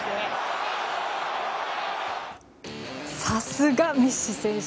さすが、メッシ選手。